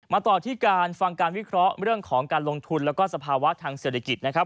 ต่อที่การฟังการวิเคราะห์เรื่องของการลงทุนแล้วก็สภาวะทางเศรษฐกิจนะครับ